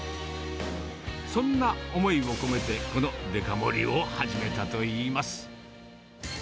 そんな思いを込めて、このデカ盛りを始めたといいます。